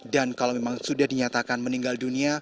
dan kalau memang sudah dinyatakan meninggal dunia